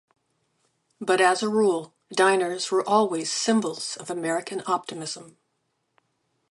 But as a rule, diners were always symbols of American optimism.